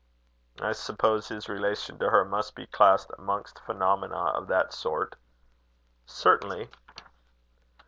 "I suppose his relation to her must be classed amongst phenomena of that sort?" "Certainly."